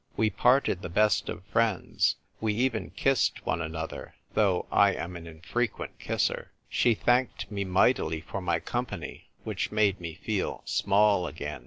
We parted the best of friends. We even kissed one another, though I am an infrequent kisser. She thanked me mightily for my company, which made me feel small again.